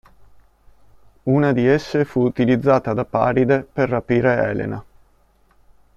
Una di esse fu utilizzata da Paride per rapire Elena.